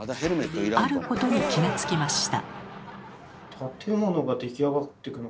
あることに気が付きました。